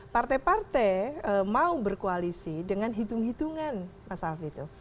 partai partai mau berkoalisi dengan hitung hitungan mas alfito